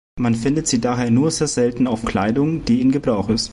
Man findet sie daher nur sehr selten auf Kleidung, die in Gebrauch ist.